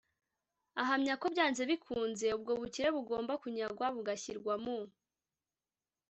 ahamya ko byanze bikunze, ubwo bukire bugomba kunyagwa bugashyirwa mu